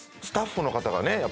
スタッフの方がね